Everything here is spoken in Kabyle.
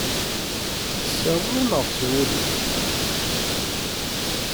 Tettqeṣṣireḍ neɣ s wul-ik?